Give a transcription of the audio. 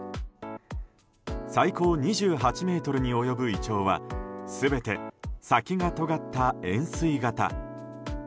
最高２８ｍに及ぶイチョウは全て先がとがった円錐型。